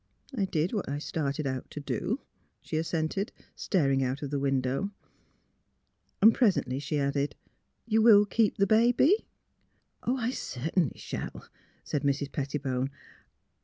'' I did what I started out to do," she assented, staring out of the window. Presently she added: '' You will keep the baby! "'' I certainly shall," said Mrs. Pettibone.